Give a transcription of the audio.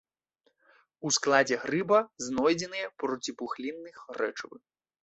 У складзе грыба знойдзеныя проціпухлінных рэчывы.